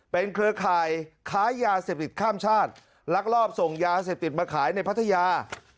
เครือข่ายค้ายาเสพติดข้ามชาติลักลอบส่งยาเสพติดมาขายในพัทยา